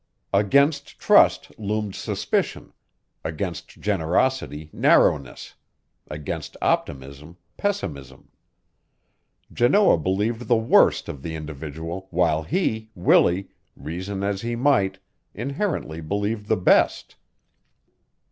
Against trust loomed suspicion, against generosity narrowness, against optimism pessimism. Janoah believed the worst of the individual while he, Willie, reason as he might, inherently believed the best.